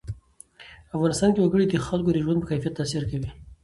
افغانستان کې وګړي د خلکو د ژوند په کیفیت تاثیر کوي.